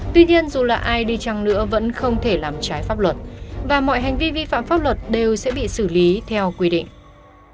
tuy nhiên dù là ai đi chăng nữa vẫn không thể làm trái pháp luật và mọi hành vi vi phạm pháp luật đều sẽ bị xử lý theo quy định